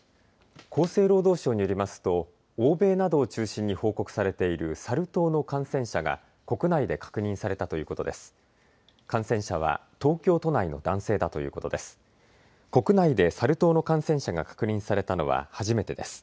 厚生労働省によりますと欧米などを中心に報告されているサル痘の感染者が国内で確認されたということです。